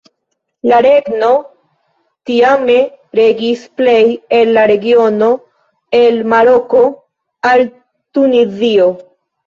La regno tiame regis plej el la regiono el Maroko al Tunizio.